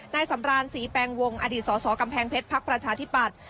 สำรานศรีแปลงวงอดีตสสกำแพงเพชรพักประชาธิปัตย์